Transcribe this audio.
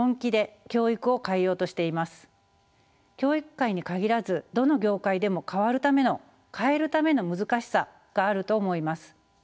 教育界に限らずどの業界でも変わるための変えるための難しさがあると思います。